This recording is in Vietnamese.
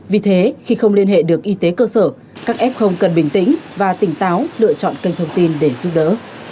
vì thế khi không liên hệ được y tế cơ sở các f không cần bình tĩnh và tỉnh táo lựa chọn kênh thông tin để giúp đỡ